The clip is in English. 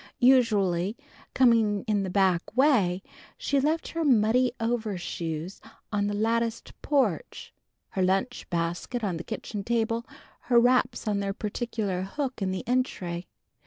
Usually, coming in the back way, she left her muddy overshoes on the latticed porch, her lunch basket on the kitchen table, her wraps on their particular hook in the entry.